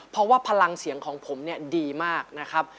เพราะว่าพลังเสียงของผมเนี่ยดีมากนะครับ